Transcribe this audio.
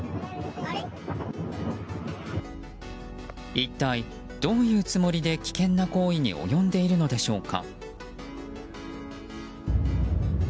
一体どういうつもりで危険な行為に及んでいるのでしょうか。